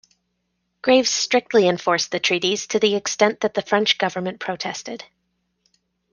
Graves strictly enforced the treaties to the extent that the French government protested.